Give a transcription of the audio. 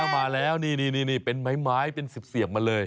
มาแล้วนี่เป็นไม้เป็นเสียบมาเลย